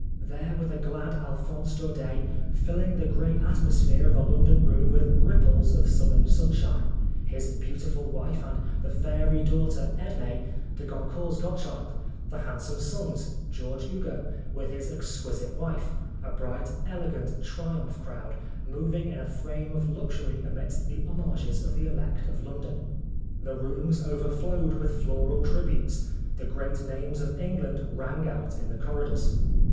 There were the glad Alphonse Daudet, filling the grey atmosphere of a London room with ripples of Southern sunshine ; his beautiful wife, and the fairy daughter, Edmee, de Goncourt's godchild ; the handsome sons, 176 Oscar Wilde George Hugo, with his exquisite wife a bright, elegant triumph crowd, moving in a frame of luxury amidst the homages of the elect of London. The rooms overflowed with floral tributes, the great names of England rang out in the corridors.